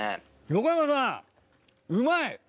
横山さんうまい！